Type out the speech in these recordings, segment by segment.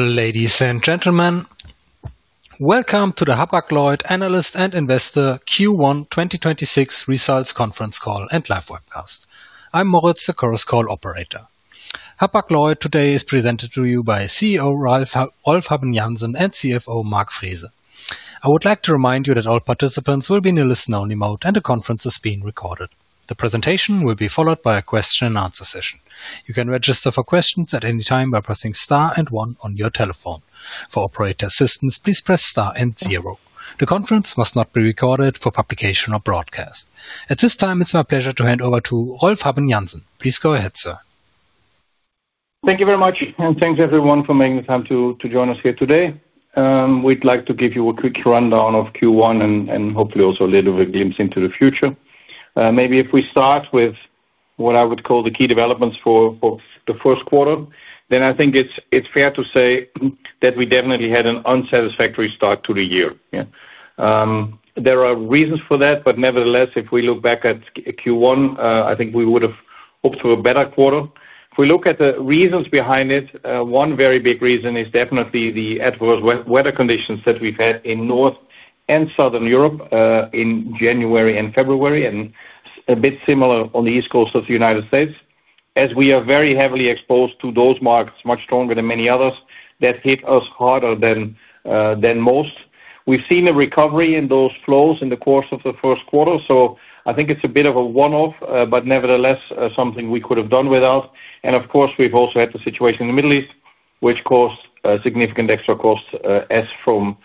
Ladies and gentlemen, welcome to the Hapag-Lloyd Analyst and Investor Q1 2026 Results Conference Call and Live Webcast. I'm Moritz, the Chorus Call operator. Hapag-Lloyd today is presented to you by CEO Rolf Habben Jansen and CFO Mark Frese. I would like to remind you that all participants will be in a listen-only mode, and the conference is being recorded. The presentation will be followed by a question and answer session. You can register for questions at any time by pressing star and one on your telephone. For operator assistance, please press star and zero. The conference must not be recorded for publication or broadcast. At this time, it's my pleasure to hand over to Rolf Habben Jansen. Please go ahead, sir. Thank you very much, thanks, everyone, for making the time to join us here today. We'd like to give you a quick rundown of Q1 and hopefully also a little bit glimpse into the future. Maybe if we start with what I would call the key developments for the first quarter, I think it's fair to say that we definitely had an unsatisfactory start to the year. There are reasons for that, nevertheless, if we look back at Q1, I think we would have hoped for a better quarter. If we look at the reasons behind it, one very big reason is definitely the adverse weather conditions that we've had in North and Southern Europe, in January and February, and a bit similar on the East Coast of the United States. As we are very heavily exposed to those markets, much stronger than many others, that hit us harder than most. We've seen a recovery in those flows in the course of the first quarter, so I think it's a bit of a one-off, but nevertheless, something we could have done without. We've also had the situation in the Middle East, which caused significant extra costs as from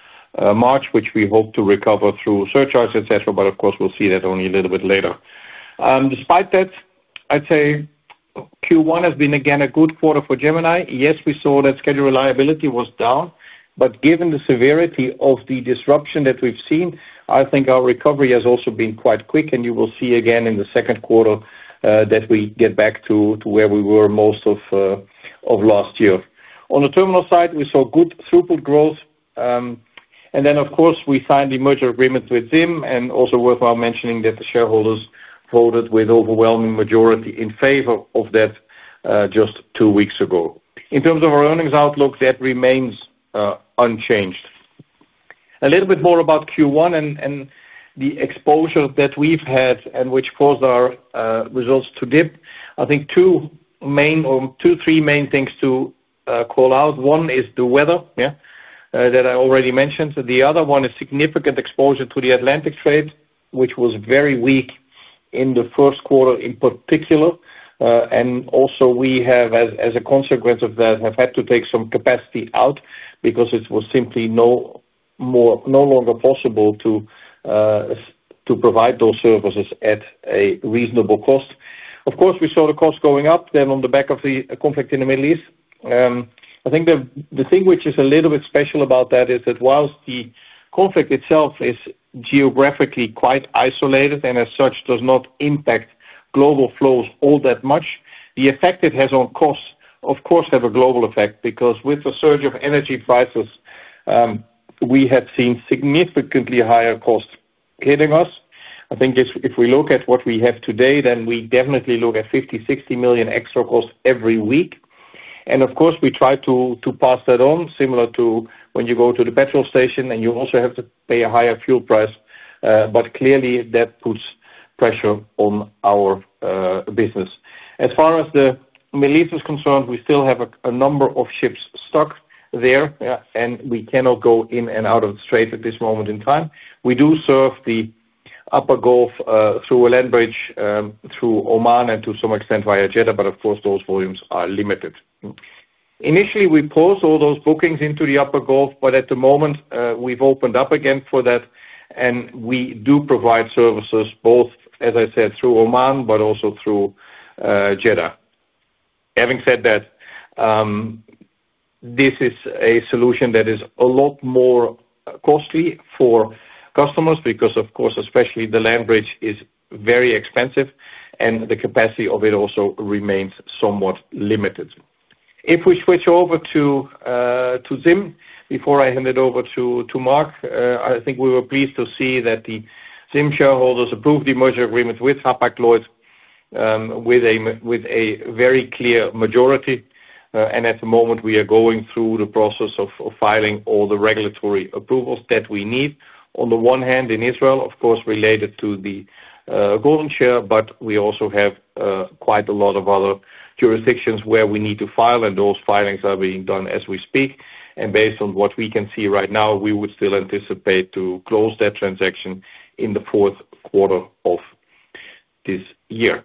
March, which we hope to recover through surcharges, et cetera. We'll see that only a little bit later. Despite that, I'd say Q1 has been again a good quarter for Gemini. We saw that schedule reliability was down, but given the severity of the disruption that we've seen, I think our recovery has also been quite quick, and you will see again in the second quarter that we get back to where we were most of last year. On the terminal side, we saw good throughput growth. Of course, we signed the merger agreement with ZIM and also worthwhile mentioning that the shareholders voted with overwhelming majority in favor of that just two weeks ago. In terms of our earnings outlook, that remains unchanged. A little bit more about Q1 and the exposure that we've had and which caused our results to dip. I think two main or two, three main things to call out. One is the weather, yeah, that I already mentioned. The other one is significant exposure to the Atlantic trade, which was very weak in the first quarter in particular. We have, as a consequence of that, have had to take some capacity out because it was simply no longer possible to provide those services at a reasonable cost. Of course, we saw the cost going up then on the back of the conflict in the Middle East. I think the thing which is a little bit special about that is that whilst the conflict itself is geographically quite isolated and as such, does not impact global flows all that much, the effect it has on costs of course, have a global effect because with the surge of energy prices, we have seen significantly higher costs hitting us. I think if we look at what we have today, then we definitely look at 50 million, 60 million extra costs every week. Of course, we try to pass that on similar to when you go to the petrol station and you also have to pay a higher fuel price. Clearly that puts pressure on our business. As far as the Middle East is concerned, we still have a number of ships stuck there, and we cannot go in and out of the Strait at this moment in time. We do serve the Upper Gulf through a land bridge through Oman and to some extent via Jeddah, but of course, those volumes are limited. Initially, we paused all those bookings into the Upper Gulf. At the moment, we've opened up again for that, and we do provide services both, as I said, through Oman but also through Jeddah. Having said that, this is a solution that is a lot more costly for customers because of course, especially the land bridge is very expensive and the capacity of it also remains somewhat limited. If we switch over to ZIM, before I hand it over to Mark, I think we were pleased to see that the ZIM shareholders approved the merger agreement with Hapag-Lloyd with a very clear majority. At the moment we are going through the process of filing all the regulatory approvals that we need. On the one hand, in Israel, of course, related to the golden share, we also have quite a lot of other jurisdictions where we need to file, and those filings are being done as we speak. Based on what we can see right now, we would still anticipate to close that transaction in the fourth quarter of this year.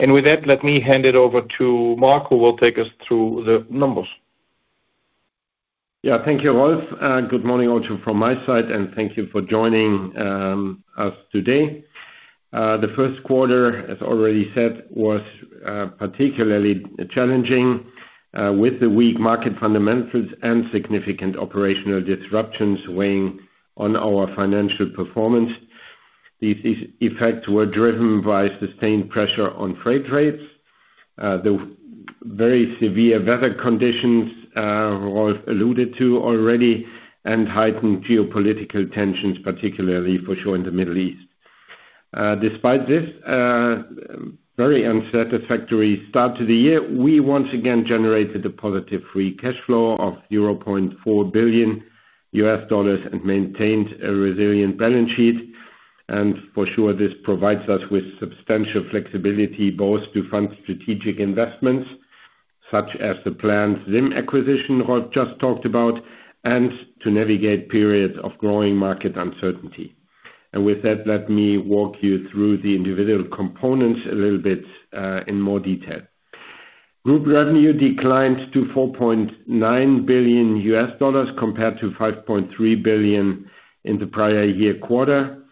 With that, let me hand it over to Mark, who will take us through the numbers. Yeah. Thank you, Rolf. Good morning also from my side, and thank you for joining us today. The first quarter, as already said, was particularly challenging, with the weak market fundamentals and significant operational disruptions weighing on our financial performance. These effects were driven by sustained pressure on freight rates, the very severe weather conditions Rolf alluded to already and heightened geopolitical tensions, particularly for sure in the Middle East. Despite this very unsatisfactory start to the year, we once again generated a positive free cash flow of $0.4 billion and maintained a resilient balance sheet. For sure, this provides us with substantial flexibility both to fund strategic investments such as the planned ZIM acquisition Rolf just talked about, and to navigate periods of growing market uncertainty. With that, let me walk you through the individual components a little bit in more detail. Group revenue declined to $4.9 billion compared to $5.3 billion in the prior year quarter,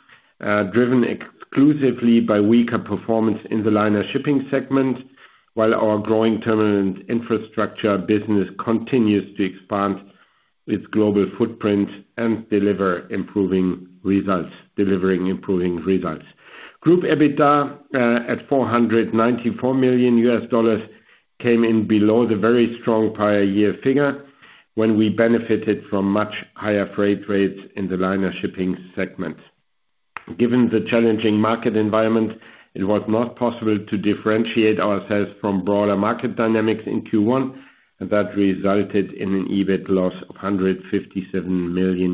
driven exclusively by weaker performance in the Liner shipping segment, while our growing Terminal and Infrastructure business continues to expand its global footprint and deliver improving results. Delivering improving results. Group EBITDA, at $494 million came in below the very strong prior year figure when we benefited from much higher freight rates in the Liner shipping segment. Given the challenging market environment, it was not possible to differentiate ourselves from broader market dynamics in Q1, and that resulted in an EBIT loss of $157 million.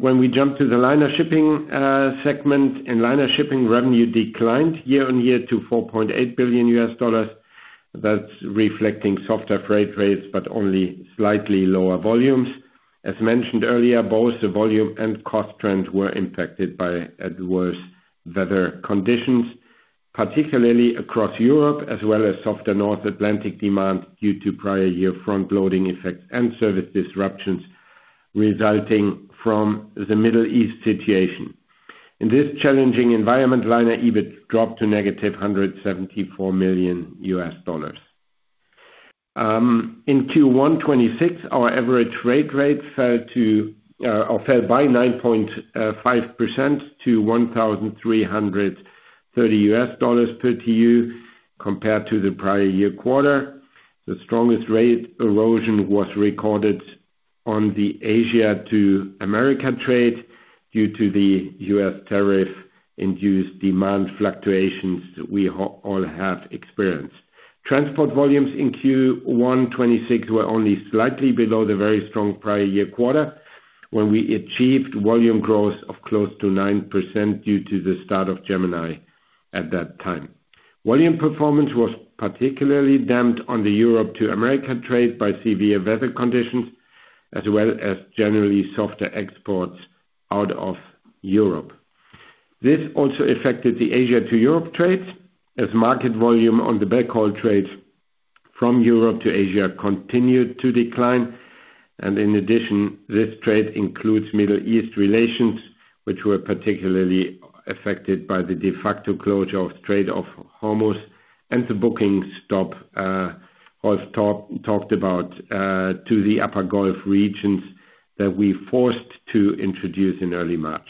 When we jump to the Liner shipping segment, in Liner shipping revenue declined year-on-year to $4.8 billion. That's reflecting softer freight rates but only slightly lower volumes. As mentioned earlier, both the volume and cost trends were impacted by adverse weather conditions, particularly across Europe, as well as softer North Atlantic demand due to prior year front-loading effects and service disruptions resulting from the Middle East situation. In this challenging environment, Liner EBIT dropped to -$174 million. In Q1 2026, our average rate fell to, or fell by 9.5% to $1,330 per TEU compared to the prior year quarter. The strongest rate erosion was recorded on the Asia to America trade due to the U.S. tariff-induced demand fluctuations that we all have experienced. Transport volumes in Q1 2026 were only slightly below the very strong prior year quarter, when we achieved volume growth of close to 9% due to the start of Gemini at that time. Volume performance was particularly damped on the Europe to America trade by severe weather conditions as well as generally softer exports out of Europe. This also affected the Asia to Europe trades as market volume on the backhaul trades from Europe to Asia continued to decline, and in addition, this trade includes Middle East relations, which were particularly affected by the de facto closure of Strait of Hormuz and the booking stop, I've talked about, to the Upper Gulf regions that we forced to introduce in early March.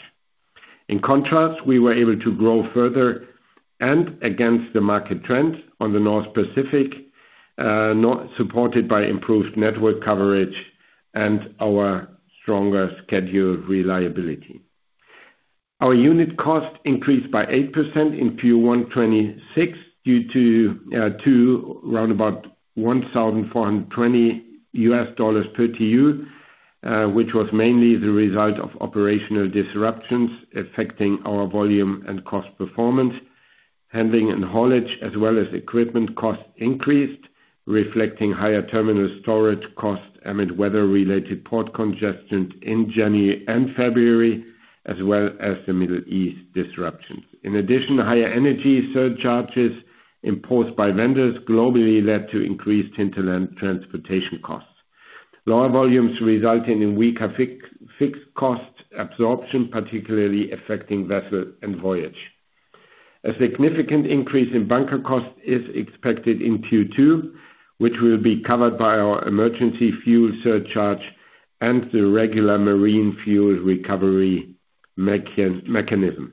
In contrast, we were able to grow further and against the market trend on the North Pacific, not supported by improved network coverage and our stronger schedule reliability. Our unit cost increased by 8% in Q1 2026 due to roundabout $1,420 per TEU, which was mainly the result of operational disruptions affecting our volume and cost performance. Handling and haulage, as well as equipment costs increased, reflecting higher terminal storage costs amid weather-related port congestions in January and February, as well as the Middle East disruptions. Higher energy surcharges imposed by vendors globally led to increased hinterland transportation costs. Lower volumes resulting in weaker fixed cost absorption, particularly affecting vessel and voyage. A significant increase in bunker cost is expected in Q2, which will be covered by our Emergency Fuel Surcharge and the regular Marine Fuel Recovery mechanism.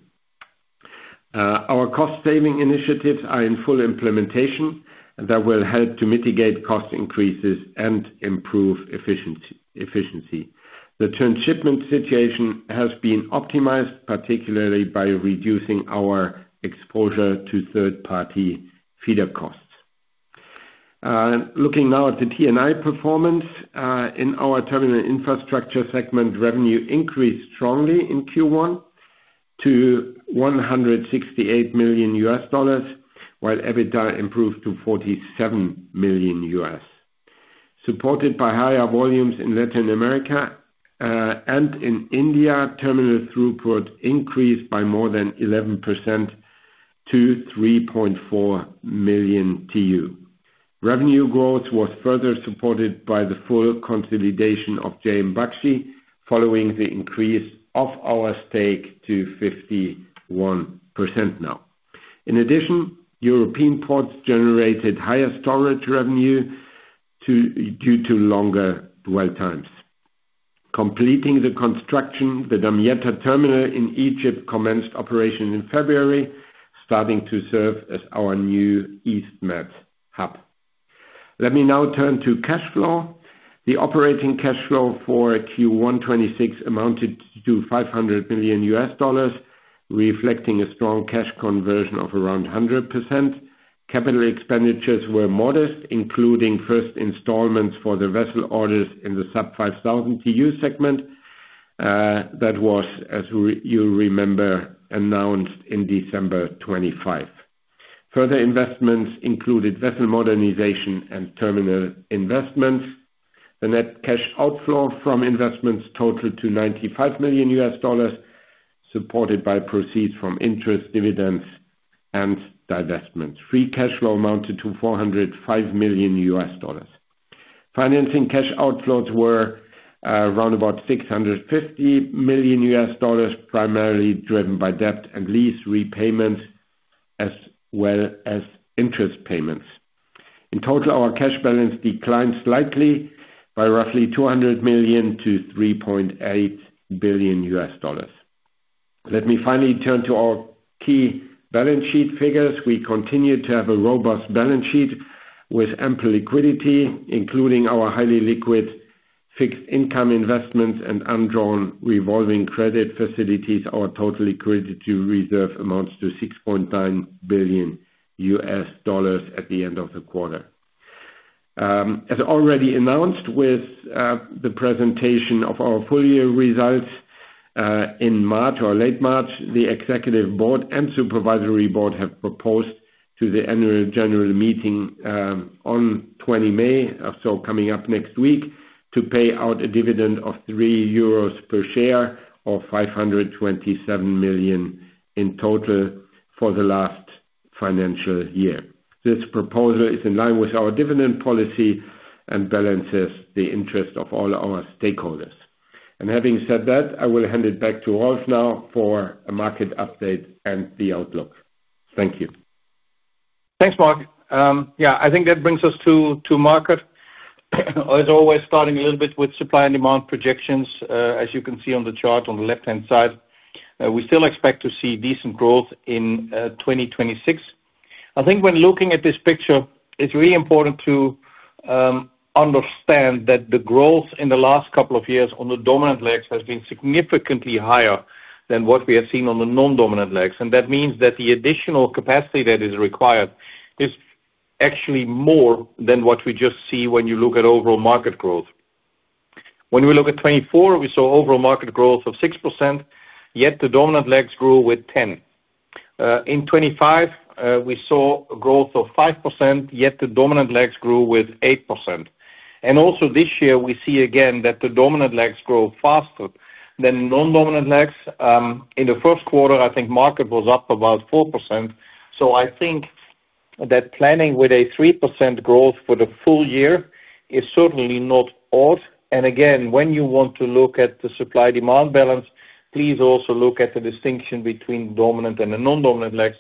Our cost-saving initiatives are in full implementation that will help to mitigate cost increases and improve efficiency. The transshipment situation has been optimized, particularly by reducing our exposure to third-party feeder costs. Looking now at the T&I performance, in our Terminal and Infrastructure segment, revenue increased strongly in Q1 to $168 million, while EBITDA improved to $47 million. Supported by higher volumes in Latin America and in India, terminal throughput increased by more than 11% to 3.4 million TEU. Revenue growth was further supported by the full consolidation of J M Baxi following the increase of our stake to 51% now. In addition, European ports generated higher storage revenue due to longer dwell times. Completing the construction, the Damietta terminal in Egypt commenced operation in February, starting to serve as our new East Med hub. Let me now turn to cash flow. The operating cash flow for Q1 2026 amounted to $500 million, reflecting a strong cash conversion of around 100%. Capital expenditures were modest, including first installments for the vessel orders in the sub 5,000 TEU segment. That was, as you remember, announced in December 2025. Further investments included vessel modernization and terminal investments. The net cash outflow from investments totaled to $95 million, supported by proceeds from interest dividends and divestments. Free cash flow amounted to $405 million. Financing cash outflows were around about $650 million, primarily driven by debt and lease repayment as well as interest payments. In total, our cash balance declined slightly by roughly $200 million to $3.8 billion. Let me finally turn to our key balance sheet figures. We continue to have a robust balance sheet with ample liquidity, including our highly liquid fixed income investments and undrawn revolving credit facilities. Our total liquidity reserve amounts to $6.9 billion at the end of the quarter. As already announced with the presentation of our full year results in March or late March, the executive board and supervisory board have proposed to the annual general meeting on 20 May, so coming up next week, to pay out a dividend of 3 euros per share or 527 million in total for the last financial year. This proposal is in line with our dividend policy and balances the interest of all our stakeholders. Having said that, I will hand it back to Rolf now for a market update and the outlook. Thank you. Thanks, Mark. I think that brings us to market. As always, starting a little bit with supply and demand projections. As you can see on the chart on the left-hand side, we still expect to see decent growth in 2026. I think when looking at this picture, it's really important to understand that the growth in the last couple of years on the dominant legs has been significantly higher than what we have seen on the non-dominant legs. That means that the additional capacity that is required is actually more than what we just see when you look at overall market growth. When we look at 2024, we saw overall market growth of 6%, yet the dominant legs grew with 10%. In 2025, we saw a growth of 5%, yet the dominant legs grew with 8%. Also this year we see again that the dominant legs grow faster than non-dominant legs. In the first quarter, I think market was up about 4%. I think that planning with a 3% growth for the full year is certainly not odd. Again, when you want to look at the supply-demand balance, please also look at the distinction between dominant and the non-dominant legs,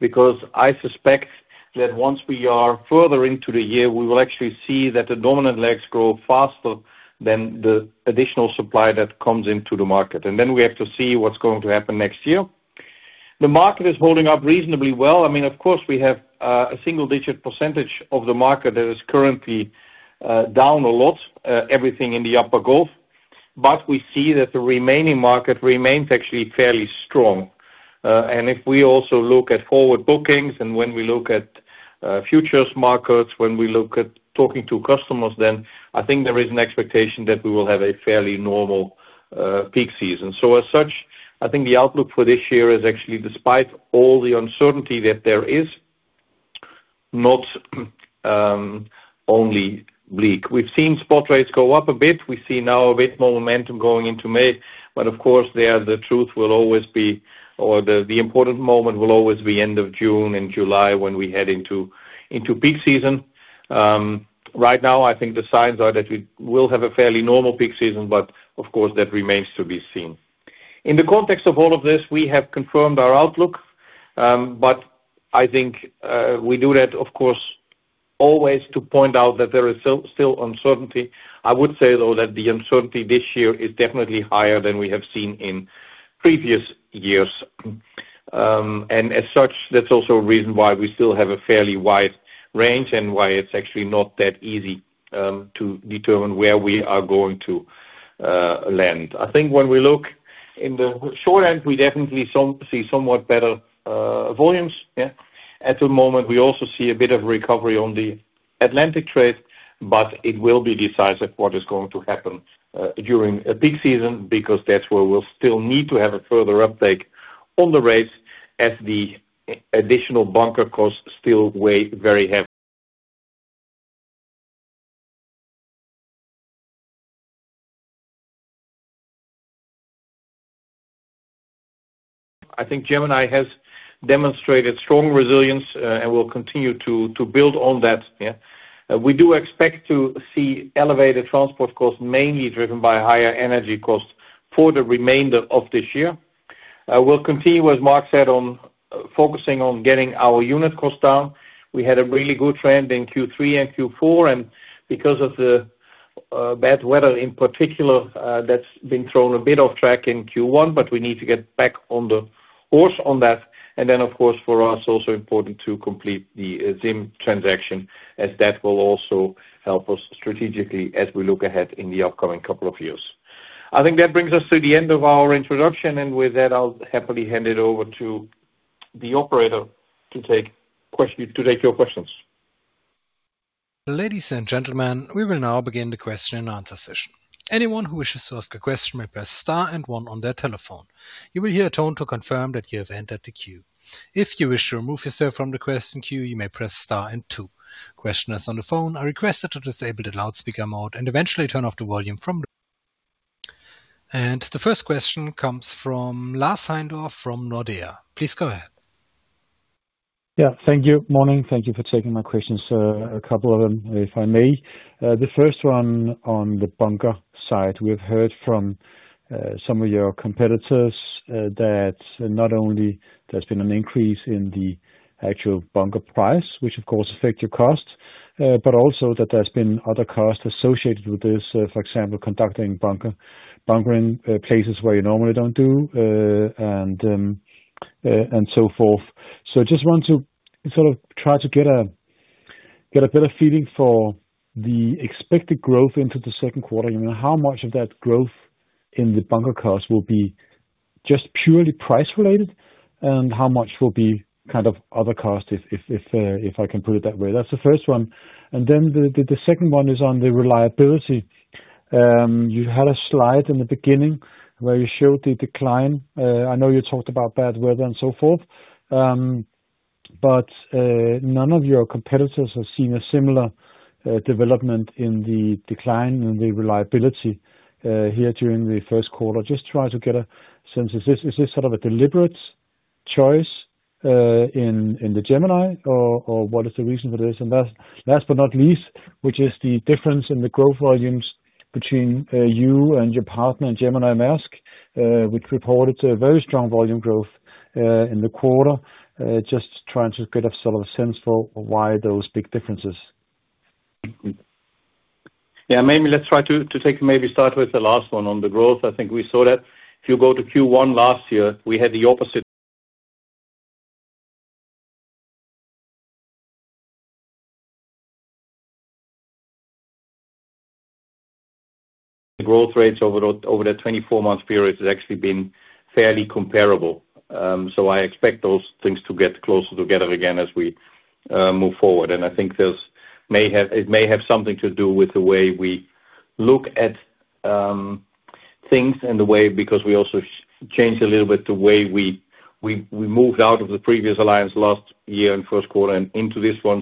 because I suspect that once we are further into the year, we will actually see that the dominant legs grow faster than the additional supply that comes into the market. Then we have to see what's going to happen next year. The market is holding up reasonably well. I mean, of course, we have a single-digit percentage of the market that is currently down a lot, everything in the Upper Gulf. We see that the remaining market remains actually fairly strong. If we also look at forward bookings and when we look at futures markets, when we look at talking to customers, then I think there is an expectation that we will have a fairly normal peak season. As such, I think the outlook for this year is actually despite all the uncertainty that there is, not only bleak. We've seen spot rates go up a bit. We see now a bit more momentum going into May. Of course, there, the truth will always be, or the important moment will always be end of June and July when we head into peak season. Right now, I think the signs are that we will have a fairly normal peak season, but of course, that remains to be seen. In the context of all of this, we have confirmed our outlook, but I think, we do that, of course, always to point out that there is still uncertainty. I would say, though, that the uncertainty this year is definitely higher than we have seen in previous years. As such, that's also a reason why we still have a fairly wide range and why it's actually not that easy to determine where we are going to land. I think when we look in the short end, we definitely see somewhat better volumes, yeah. At the moment, we also see a bit of recovery on the Atlantic trade. It will be decisive what is going to happen during a peak season because that's where we'll still need to have a further uptake on the rates as the additional bunker costs still weigh very heavy. I think Gemini has demonstrated strong resilience and will continue to build on that. Yeah. We do expect to see elevated transport costs, mainly driven by higher energy costs for the remainder of this year. We'll continue, as Mark said, on focusing on getting our unit costs down. We had a really good trend in Q3 and Q4. Because of the bad weather in particular, that's been thrown a bit off track in Q1. We need to get back on the horse on that. Of course, for us, also important to complete the ZIM transaction, as that will also help us strategically as we look ahead in the upcoming couple of years. I think that brings us to the end of our introduction, and with that, I'll happily hand it over to the operator to take your questions. Ladies and gentlemen, we will now begin the question and answer session. Anyone who wishes to ask a question may press star and one on their telephone. You will hear a tone to confirm that you have entered the queue. If you wish to remove yourself from the question queue, you may press star and two. Questioners on the phone are requested to disable the loudspeaker mode and eventually turn off the volume. The first question comes from Lars Heindorff from Nordea. Please go ahead. Thank you. Morning. Thank you for taking my questions, a couple of them, if I may. The first one on the bunker side, we've heard from some of your competitors, that not only there's been an increase in the actual bunker price, which of course affect your cost, but also that there's been other costs associated with this, for example, conducting bunker, bunkering places where you normally don't do, and so forth. Just want to sort of try to get a better feeling for the expected growth into the second quarter, you know, how much of that growth in the bunker cost will be just purely price-related, and how much will be kind of other cost if I can put it that way. That's the first one. The second one is on the reliability. You had a slide in the beginning where you showed the decline. I know you talked about bad weather and so forth. None of your competitors have seen a similar development in the decline in the reliability here during the first quarter. Just try to get a sense. Is this sort of a deliberate choice in the Gemini, or what is the reason for this? Last but not least, which is the difference in the growth volumes between you and your partner in Gemini and Maersk, which reported a very strong volume growth in the quarter. Just trying to get a sort of a sense for why those big differences. Maybe let's try to start with the last one on the growth. I think we saw that if you go to Q1 last year, we had the opposite Growth rates over that 24-month period has actually been fairly comparable. I expect those things to get closer together again as we move forward. I think this may have something to do with the way we look at things and the way because we also changed a little bit the way we moved out of the previous alliance last year in first quarter and into this one.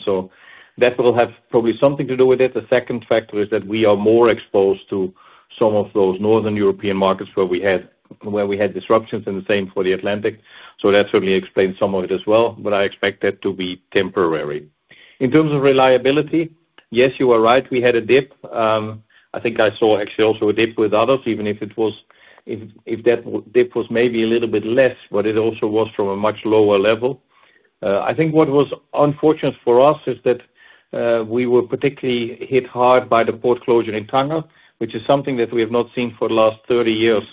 That will have probably something to do with it. The second factor is that we are more exposed to some of those Northern European markets where we had disruptions and the same for the Atlantic. That certainly explains some of it as well, but I expect that to be temporary. In terms of reliability, yes, you are right. We had a dip. I think I saw actually also a dip with others, even if it was, if that dip was maybe a little bit less, but it also was from a much lower level. I think what was unfortunate for us is that we were particularly hit hard by the port closure in Tangier, which is something that we have not seen for the last 30 years,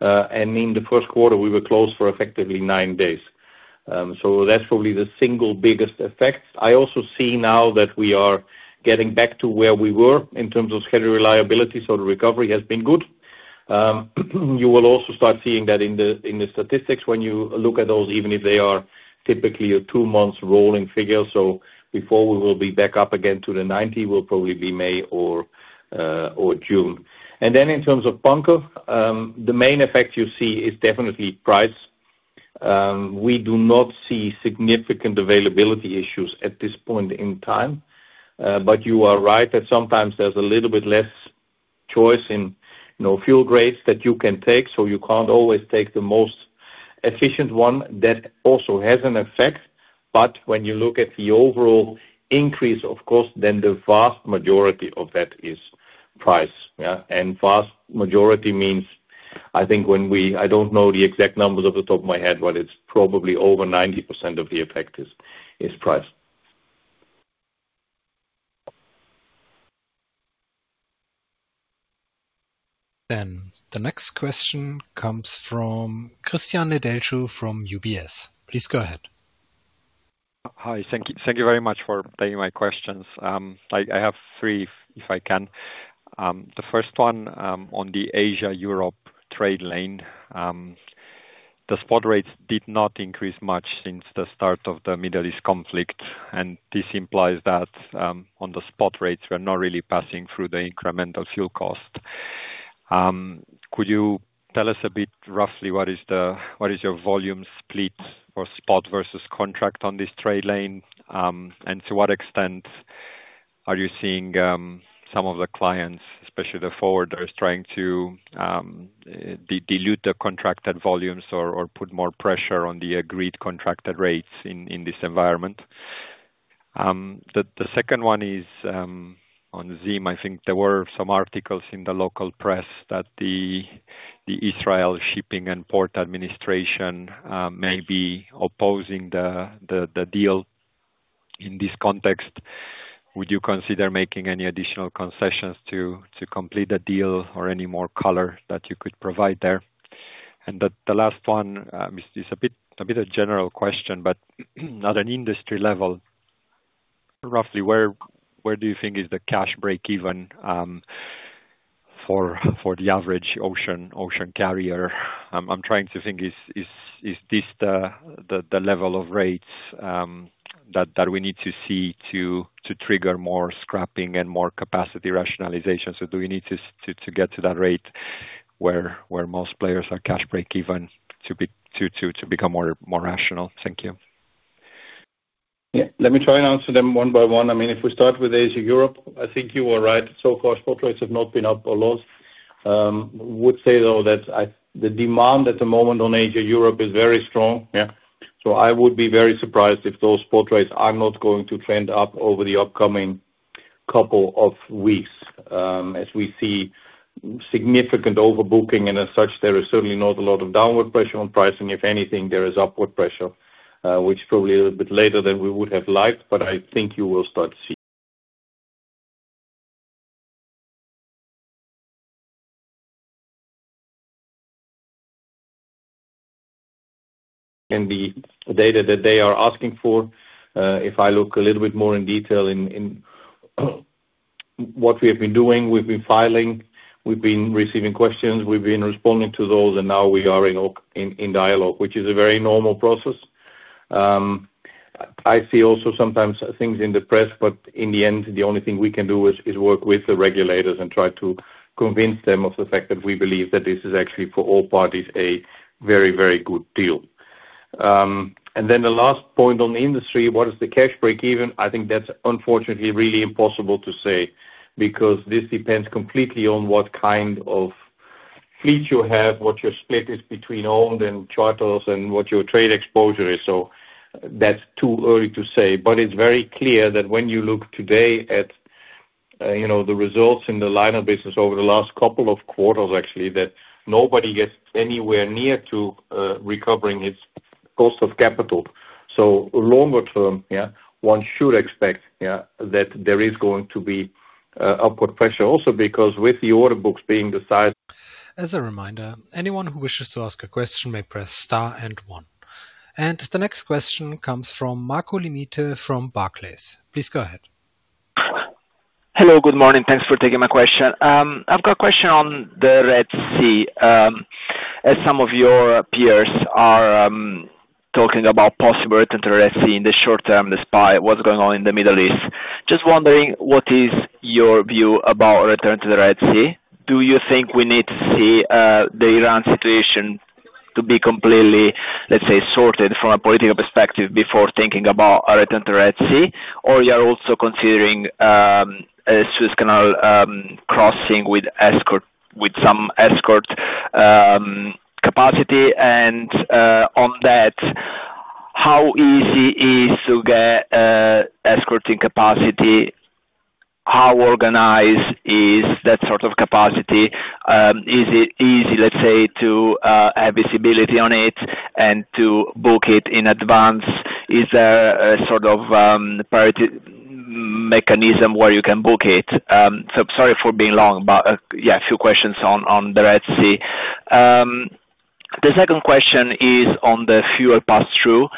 and in the first quarter, we were closed for effectively nine days. That's probably the single biggest effect. I also see now that we are getting back to where we were in terms of schedule reliability, so the recovery has been good. You will also start seeing that in the statistics when you look at those, even if they are typically a two-month rolling figure. Before we will be back up again to the 90 will probably be May or June. In terms of bunker, the main effect you see is definitely price. We do not see significant availability issues at this point in time. You are right that sometimes there's a little bit less choice in, you know, fuel grades that you can take, so you can't always take the most efficient one. That also has an effect. When you look at the overall increase, of course, the vast majority of that is price. Vast majority means, I think I don't know the exact numbers off the top of my head, but it's probably over 90% of the effect is price. The next question comes from Cristian Nedelcu from UBS. Please go ahead. Hi. Thank you. Thank you very much for taking my questions. I have three, if I can. The first one on the Asia-Europe trade lane. The spot rates did not increase much since the start of the Middle East conflict, and this implies that on the spot rates, we're not really passing through the incremental fuel cost. Could you tell us a bit roughly what is your volume split for spot versus contract on this trade lane? And to what extent are you seeing some of the clients, especially the forwarders, trying to de-dilute the contracted volumes or put more pressure on the agreed contracted rates in this environment? The second one is on ZIM. I think there were some articles in the local press that the Administration of Shipping and Ports may be opposing the deal. In this context, would you consider making any additional concessions to complete the deal or any more color that you could provide there? The last one is a bit of general question, but at an industry level, roughly where do you think is the cash break even for the average ocean carrier? I'm trying to think is this the level of rates that we need to see to trigger more scrapping and more capacity rationalization? Do we need to get to that rate where most players are cash break even to become more rational? Thank you. Yeah. Let me try and answer them one by one. I mean, if we start with Asia, Europe, I think you are right. Far spot rates have not been up or lost. Would say though that the demand at the moment on Asia, Europe is very strong. I would be very surprised if those spot rates are not going to trend up over the upcoming couple of weeks. As we see significant overbooking and as such, there is certainly not a lot of downward pressure on pricing. If anything, there is upward pressure, which probably a little bit later than we would have liked, but I think you will start see And the data that they are asking for. If I look a little bit more in detail in what we have been doing, we've been filing, we've been receiving questions, we've been responding to those, and now we are in dialogue, which is a very normal process. I see also sometimes things in the press, but in the end the only thing we can do is work with the regulators and try to convince them of the fact that we believe that this is actually for all parties a very good deal. The last point on the industry, what is the cash break even? I think that's unfortunately really impossible to say because this depends completely on what kind of fleet you have, what your split is between owned and charters and what your trade exposure is. That's too early to say. It's very clear that when you look today at, you know, the results in the liner business over the last couple of quarters actually, that nobody gets anywhere near to recovering its cost of capital. Longer term, yeah, one should expect, yeah, that there is going to be upward pressure also because with the order books being the size. As a reminder, anyone who wishes to ask a question may press star one. The next question comes from Marco Limite from Barclays. Please go ahead. Hello, good morning. Thanks for taking my question. I've got a question on the Red Sea. As some of your peers are talking about possible return to Red Sea in the short term, despite what's going on in the Middle East. Just wondering, what is your view about return to the Red Sea? Do you think we need to see the Iran situation to be completely, let's say, sorted from a political perspective before thinking about a return to Red Sea? You are also considering a Suez Canal crossing with escort, with some escort capacity and on that, how easy is to get escorting capacity? How organized is that sort of capacity? Is it easy, let's say, to have visibility on it and to book it in advance? Is there a sort of priority mechanism where you can book it? Sorry for being long, a few questions on the Red Sea. The second question is on the fuel pass-through.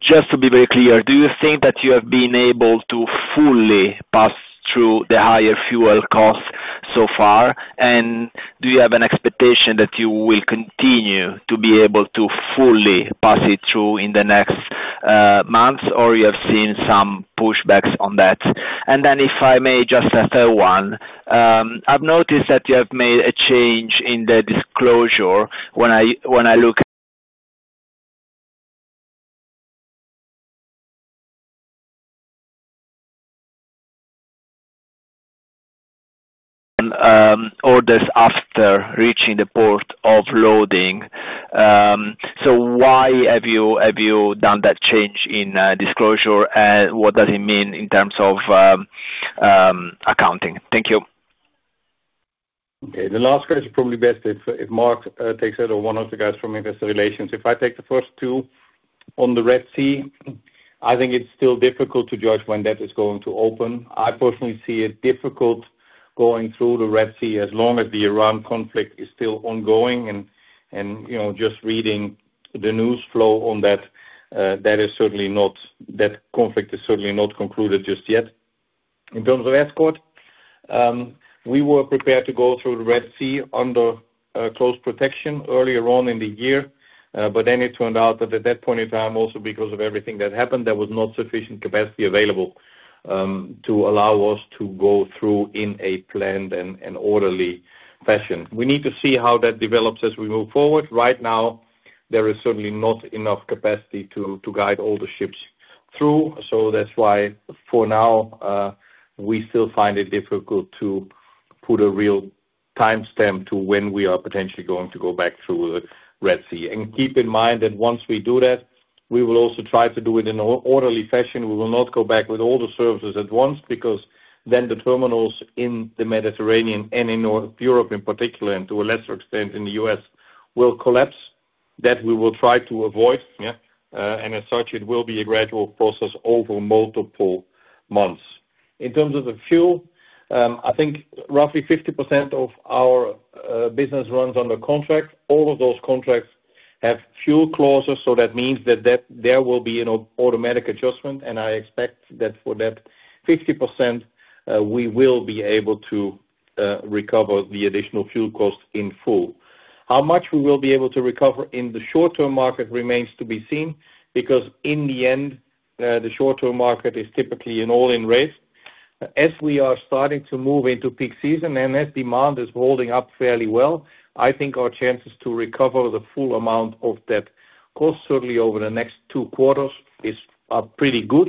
Just to be very clear, do you think that you have been able to fully pass through the higher fuel costs so far? Do you have an expectation that you will continue to be able to fully pass it through in the next months, or you have seen some pushbacks on that? If I may just a third one, I've noticed that you have made a change in the disclosure when I look at orders after reaching the port of loading. Why have you done that change in disclosure and what does it mean in terms of accounting? Thank you. Okay. The last question is probably best if Mark takes it or one of the guys from investor relations. If I take the first two on the Red Sea, I think it's still difficult to judge when that is going to open. I personally see it difficult going through the Red Sea as long as the Iran conflict is still ongoing and, you know, just reading the news flow on that conflict is certainly not concluded just yet. In terms of escort, we were prepared to go through the Red Sea under close protection earlier on in the year, it turned out that at that point in time, also because of everything that happened, there was not sufficient capacity available to allow us to go through in a planned and orderly fashion. We need to see how that develops as we move forward. Right now, there is certainly not enough capacity to guide all the ships through. That's why for now, we still find it difficult to put a real timestamp to when we are potentially going to go back through the Red Sea. Keep in mind that once we do that, we will also try to do it in an orderly fashion. We will not go back with all the services at once because then the terminals in the Mediterranean and in North Europe in particular, and to a lesser extent in the U.S., will collapse. That we will try to avoid, and as such, it will be a gradual process over multiple months. In terms of the fuel, I think roughly 50% of our business runs under contract. All of those contracts have fuel clauses. That means that there will be an automatic adjustment, and I expect that for that 50%, we will be able to recover the additional fuel costs in full. How much we will be able to recover in the short-term market remains to be seen. In the end, the short-term market is typically an all-in rate. We are starting to move into peak season and as demand is holding up fairly well, I think our chances to recover the full amount of that cost certainly over the next two quarters are pretty good.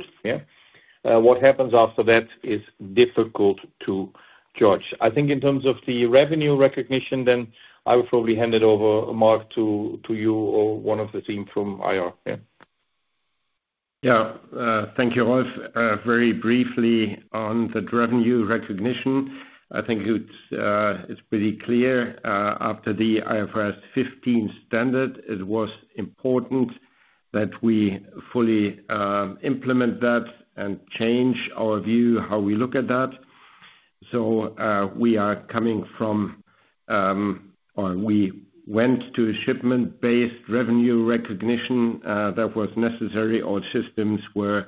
What happens after that is difficult to judge. I think in terms of the revenue recognition, I would probably hand it over, Mark, to you or one of the team from IR. Thank you, Rolf. Very briefly on the revenue recognition. I think it's pretty clear, after the IFRS 15 standard, it was important that we fully implement that and change our view how we look at that. We are coming from, or we went to a shipment-based revenue recognition, that was necessary. All systems were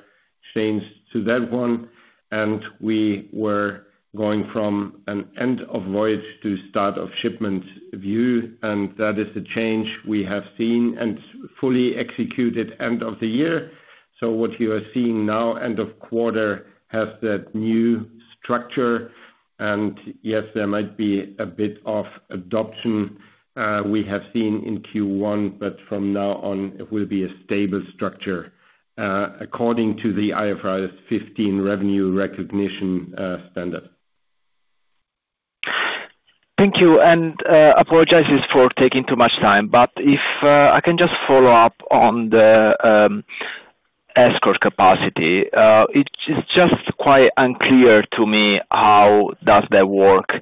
changed to that one, and we were going from an end of voyage to start of shipment view, and that is the change we have seen and fully executed end of the year. What you are seeing now, end of quarter, has that new structure. Yes, there might be a bit of adoption, we have seen in Q1, but from now on, it will be a stable structure, according to the IFRS 15 revenue recognition standard. Thank you. Apologies for taking too much time. If I can just follow up on the escort capacity. It is just quite unclear to me how does that work.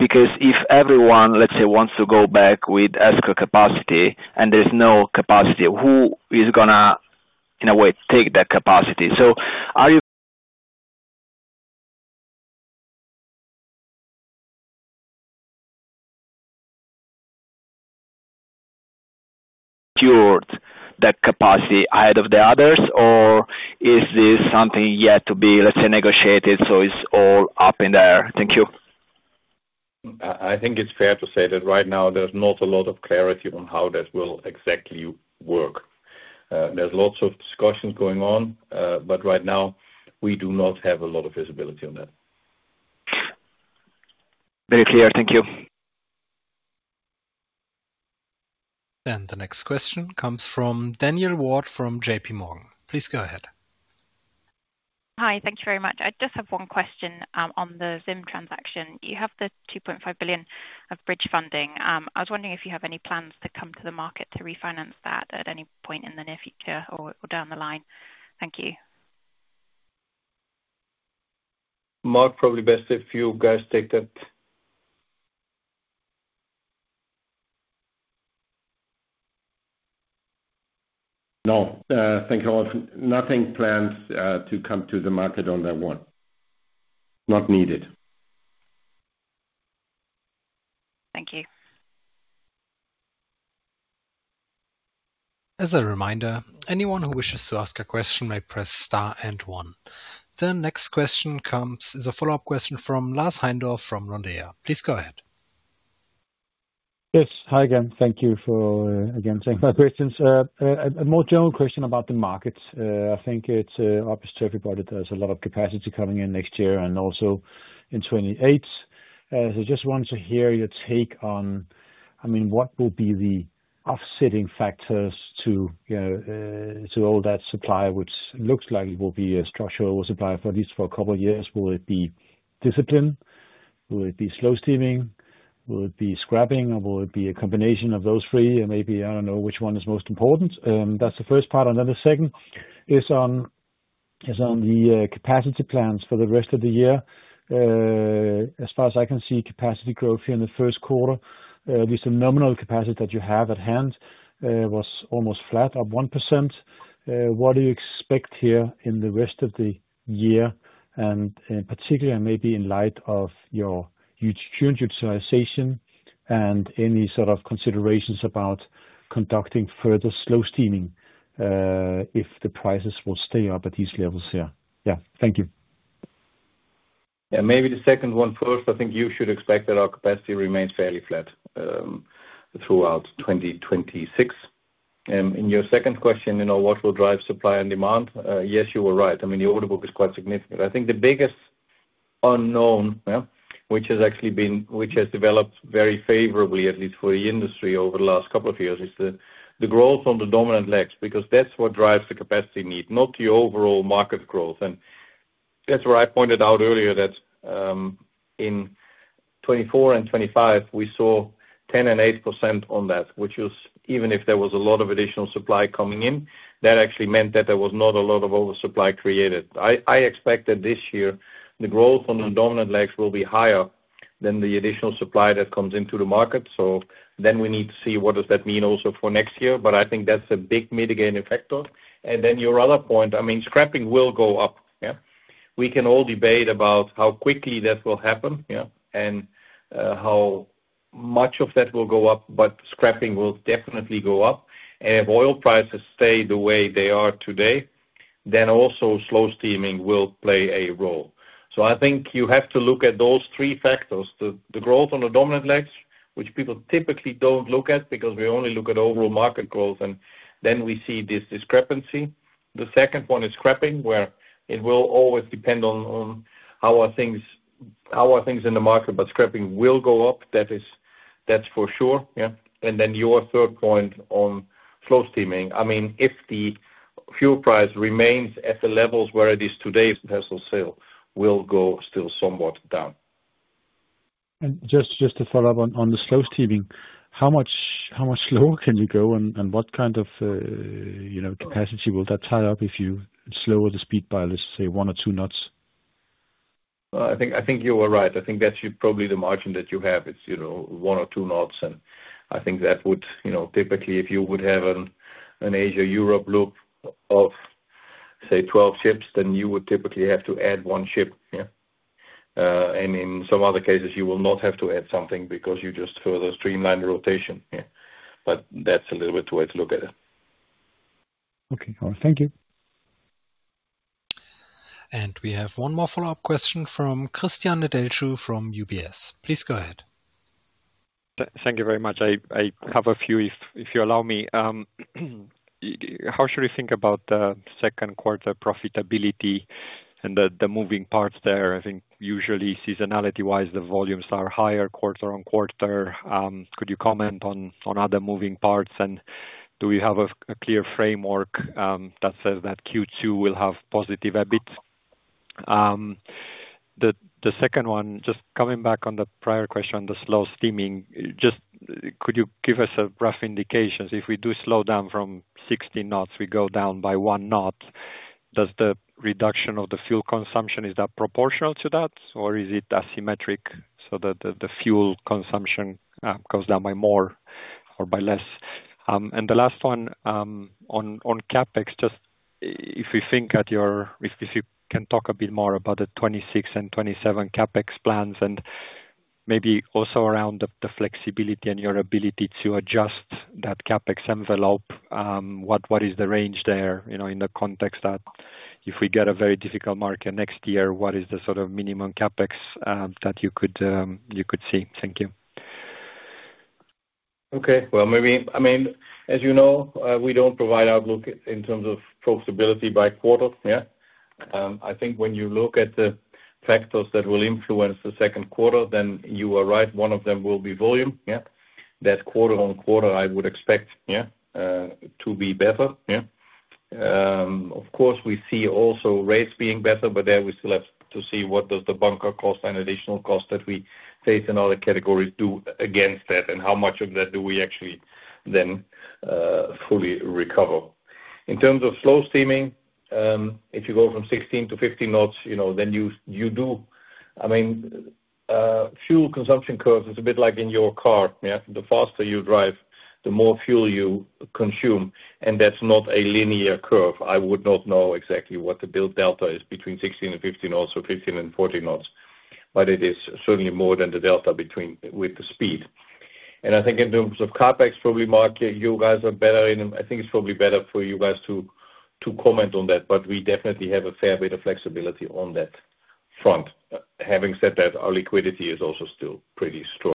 If everyone, let's say, wants to go back with escort capacity and there's no capacity, who is gonna, in a way, take that capacity? Are you secured that capacity ahead of the others, or is this something yet to be, let's say, negotiated, so it's all up in the air? Thank you. I think it's fair to say that right now there's not a lot of clarity on how that will exactly work. There's lots of discussions going on, but right now we do not have a lot of visibility on that. Very clear. Thank you. The next question comes from Danielle Ward from J.P. Morgan. Please go ahead. Hi. Thank you very much. I just have one question on the ZIM transaction. You have the $2.5 billion of bridge funding. I was wondering if you have any plans to come to the market to refinance that at any point in the near future or down the line. Thank you. Mark, probably best if you guys take that. No. Thank you, Rolf. Nothing planned to come to the market on that one. Not needed. Thank you. As a reminder, anyone who wishes to ask a question may press star and one. The next question comes as a follow-up question from Lars Heindorff from Nordea. Please go ahead. Yes. Hi again. Thank you for, again, taking my questions. A more general question about the market. I think it's obvious to everybody there's a lot of capacity coming in next year and also in 2028. Just want to hear your take on, I mean, what will be the offsetting factors to all that supply, which looks like it will be a structural supply for at least for a couple of years. Will it be discipline? Will it be slow steaming? Will it be scrapping, or will it be a combination of those three? Maybe, I don't know which one is most important. That's the first part. Then the second is on, is on the capacity plans for the rest of the year. As far as I can see, capacity growth in the first quarter, with the nominal capacity that you have at hand, was almost flat, up 1%. What do you expect here in the rest of the year, and in particular, maybe in light of your huge utilization and any sort of considerations about conducting further slow steaming, if the prices will stay up at these levels? Thank you. Yeah, maybe the second one first. I think you should expect that our capacity remains fairly flat throughout 2026. In your second question, you know, what will drive supply and demand? Yes, you were right. I mean, the order book is quite significant. I think the biggest unknown, which has actually been, which has developed very favorably, at least for the industry over the last couple of years, is the growth on the dominant legs, because that's what drives the capacity need, not the overall market growth. That's where I pointed out earlier that in 2024 and 2025, we saw 10% and 8% on that, which was, even if there was a lot of additional supply coming in, that actually meant that there was not a lot of oversupply created. I expect that this year, the growth on the dominant legs will be higher than the additional supply that comes into the market. We need to see what does that mean also for next year. I think that's a big mitigating factor. Your other point, I mean scrapping will go up. We can all debate about how quickly that will happen, and how much of that will go up, but scrapping will definitely go up. If oil prices stay the way they are today, then also slow steaming will play a role. I think you have to look at those three factors. The growth on the dominant legs, which people typically don't look at because we only look at overall market growth, and then we see this discrepancy. The second one is scrapping, where it will always depend on how are things in the market, but scrapping will go up. That's for sure, yeah. Your third point on slow steaming. I mean, if the fuel price remains at the levels where it is today, vessel sail will go still somewhat down. Just to follow up on the slow steaming. How much slower can you go and what kind of, you know, capacity will that tie up if you slower the speed by, let's say, one or two knots? I think you are right. I think that's probably the margin that you have. It's, you know, one or two knots, and I think that would, you know, typically if you would have an Asia-Europe loop of, say, 12 ships, then you would typically have to add 1 ship. In some other cases, you will not have to add something because you just further streamline the rotation. That's a little bit way to look at it. Okay. Well, thank you. We have one more follow-up question from Cristian Nedelcu from UBS. Please go ahead. Thank you very much. I have a few, if you allow me. How should we think about the second quarter profitability and the moving parts there? I think usually seasonality-wise, the volumes are higher quarter-on-quarter. Could you comment on other moving parts? Do we have a clear framework that says that Q2 will have positive EBIT? The second one, just coming back on the prior question, the slow steaming. Just could you give us a rough indication, if we do slow down from 16 knots, we go down by one knot, does the reduction of the fuel consumption, is that proportional to that, or is it asymmetric so that the fuel consumption goes down by more or by less? The last one on CapEx, just if you can talk a bit more about the 2026 and 2027 CapEx plans, maybe also around the flexibility and your ability to adjust that CapEx envelope, what is the range there? You know, in the context that if we get a very difficult market next year, what is the sort of minimum CapEx that you could see? Thank you. Okay. Well, maybe I mean, as you know, we don't provide outlook in terms of profitability by quarter, yeah. I think when you look at the factors that will influence the second quarter, then you are right, one of them will be volume, yeah. Quarter on quarter, I would expect, to be better, yeah. Of course we see also rates being better, but there we still have to see what does the bunker cost and additional cost that we face in other categories do against that, and how much of that do we actually then fully recover. In terms of slow steaming, if you go from 16 to 15 knots, you know, then you do I mean, fuel consumption curve is a bit like in your car, yeah. The faster you drive, the more fuel you consume, that's not a linear curve. I would not know exactly what the build delta is between 16 and 15 knots or 15 and 14 knots, it is certainly more than the delta with the speed. I think in terms of CapEx, probably Mark, I think it's probably better for you guys to comment on that, we definitely have a fair bit of flexibility on that front. Having said that, our liquidity is also still pretty strong.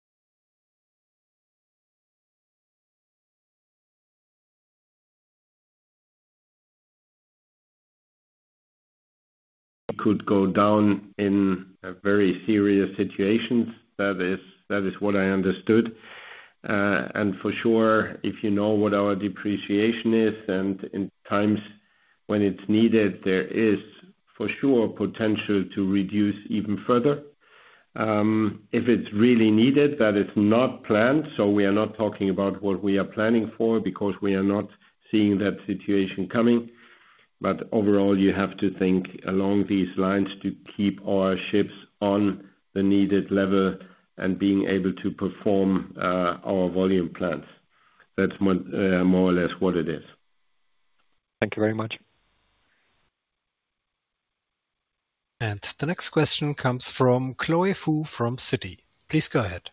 Could go down in a very serious situation. That is what I understood. For sure, if you know what our depreciation is and in times when it's needed, there is for sure potential to reduce even further. If it's really needed. That is not planned. We are not talking about what we are planning for because we are not seeing that situation coming. Overall, you have to think along these lines to keep our ships on the needed level and being able to perform our volume plans. That's what more or less what it is. Thank you very much. The next question comes from Chloe Fu from Citi. Please go ahead.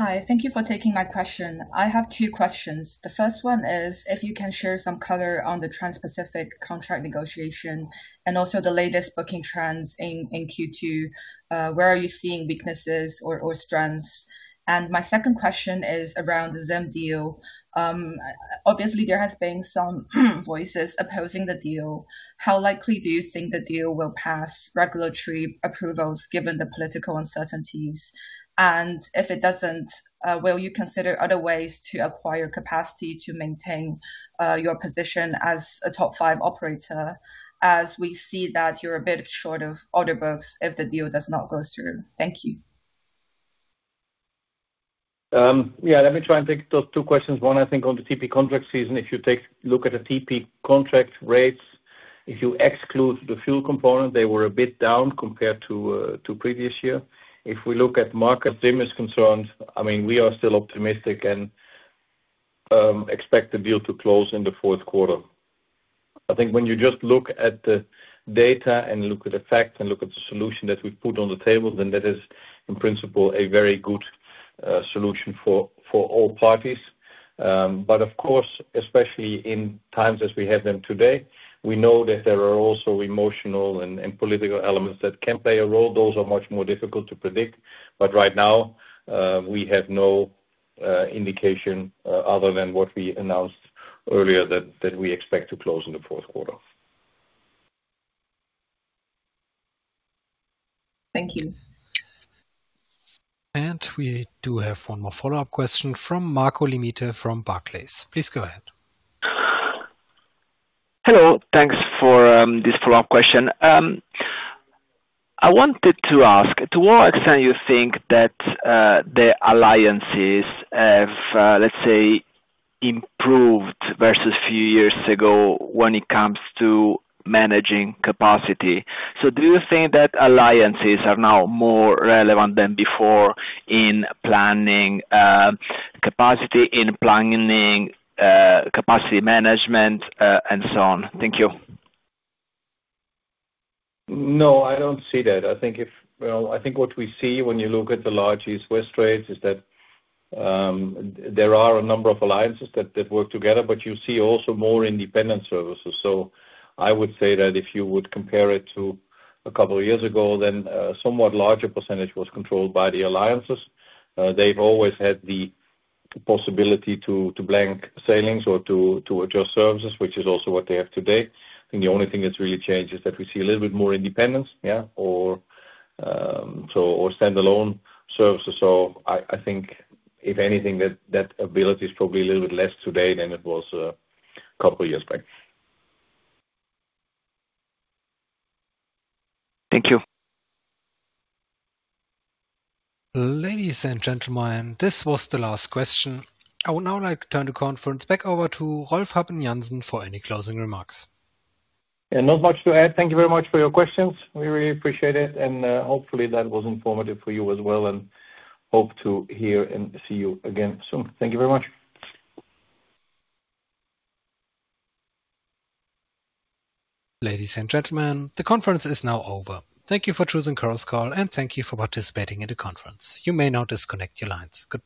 Hi. Thank you for taking my question. I have two questions. The first one is if you can share some color on the Trans Pacific contract negotiation and also the latest booking trends in Q2. Where are you seeing weaknesses or strengths? My second question is around the ZIM deal. Obviously there has been some voices opposing the deal. How likely do you think the deal will pass regulatory approvals given the political uncertainties? If it doesn't, will you consider other ways to acquire capacity to maintain your position as a top five operator, as we see that you're a bit short of order books if the deal does not go through? Thank you. Yeah, let me try and take those two questions. One, I think on the TP contract season, if you look at the TP contract rates, if you exclude the fuel component, they were a bit down compared to previous year. If we look at market, ZIM is concerned, I mean, we are still optimistic and expect the deal to close in the fourth quarter. I think when you just look at the data and look at the facts and look at the solution that we put on the table, then that is, in principle, a very good solution for all parties. Of course, especially in times as we have them today, we know that there are also emotional and political elements that can play a role. Those are much more difficult to predict. Right now, we have no indication, other than what we announced earlier that we expect to close in the fourth quarter. Thank you. We do have one more follow-up question from Marco Limite from Barclays. Please go ahead. Hello. Thanks for this follow-up question. I wanted to ask, to what extent you think that the alliances have, let's say, improved versus few years ago when it comes to managing capacity? Do you think that alliances are now more relevant than before in planning capacity, in planning capacity management, and so on? Thank you. No, I don't see that. I think what we see when you look at the large East-West rates is that there are a number of alliances that work together, but you see also more independent services. I would say that if you would compare it to a couple of years ago, then a somewhat larger percentage was controlled by the alliances. They've always had the possibility to blank sailings or to adjust services, which is also what they have today. I think the only thing that's really changed is that we see a little bit more independence, or standalone services. I think if anything, that ability is probably a little bit less today than it was a couple of years back. Thank you. Ladies and gentlemen, this was the last question. I would now like to turn the conference back over to Rolf Habben Jansen for any closing remarks. Not much to add. Thank you very much for your questions. We really appreciate it, and hopefully that was informative for you as well, and hope to hear and see you again soon. Thank you very much. Ladies and gentlemen, the conference is now over. Thank you for choosing Chorus Call, and thank you for participating in the conference. You may now disconnect your lines. Goodbye